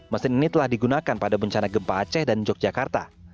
mesin ini telah digunakan pada bencana gempa aceh dan yogyakarta